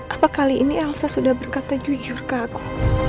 apa kali ini elsa sudah berkata jujur ke aku